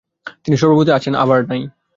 তিনি সর্বভূতে আছেন আবার নাই।